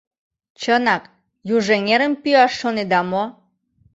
Чынак Южэҥерым пӱяш шонеда мо?